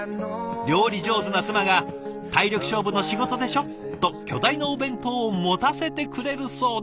料理上手な妻が「体力勝負の仕事でしょ？」と巨大なお弁当を持たせてくれるそうで。